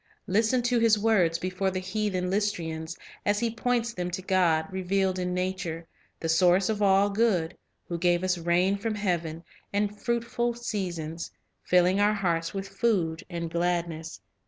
Listen to his words before the heathen Lystrians, as he points them to God revealed in nature, the Source of all good, who "gave us rain from heaven, and fruitful seasons, filling our hearts with food and gladness."